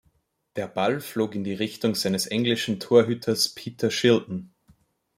Der Ball flog in die Richtung seines englischen Torhüters Peter Shilton.